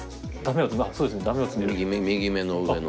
右目の上の。